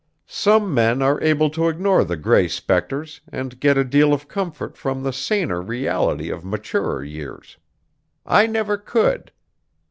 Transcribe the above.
Some men are able to ignore the gray spectres and get a deal of comfort from the saner reality of maturer years; I never could.